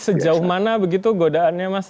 sejauh mana begitu godaannya mas